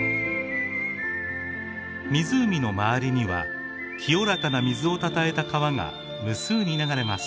湖の周りには清らかな水をたたえた川が無数に流れます。